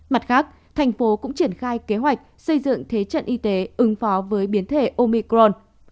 mặt khác thành phố cũng triển khai kế hoạch xây dựng thế trận y tế ứng phó với biến thể omicron